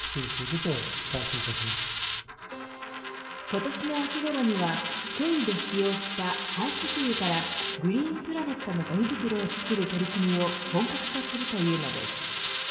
今年の秋ごろには調理で使用した廃食油からグリーンプラネットのごみ袋を作る取り組みを本格化するというのです。